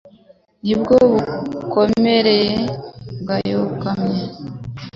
Ni bwo bukomere bwayokamye.